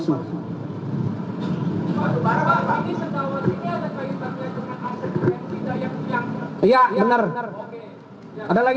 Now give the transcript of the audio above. pak ini sandawar ini ada perintahnya dengan aset yang tidak yang punya